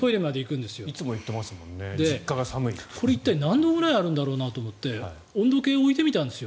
これ、何度ぐらいあるんだろうなと思って温度計を置いてみたんですよ。